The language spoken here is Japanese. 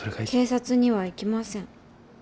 警察には行きません。